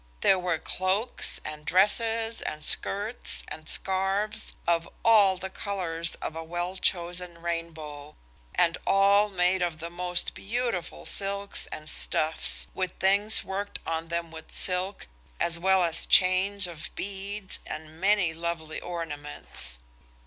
There were cloaks and dresses and skirts and scarves, of all the colours of a well chosen rainbow, and all made of the most beautiful silks and stuffs, with things worked on them with silk, as well as chains of beads and many lovely ornaments.